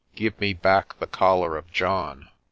"Give me back the collar of John."